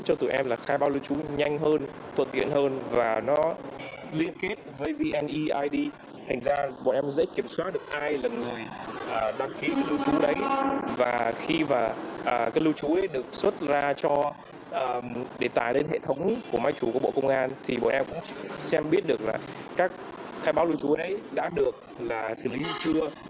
để tài lên hệ thống của máy chủ của bộ công an thì bọn em cũng xem biết được là các khai báo lưu trú ấy đã được xử lý chưa